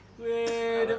udah kaya dia